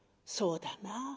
「そうだな。